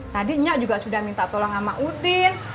tadi nyak juga sudah minta tolong sama udin